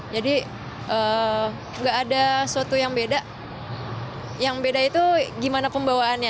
jadi nggak ada sesuatu yang beda yang beda itu gimana pembawaannya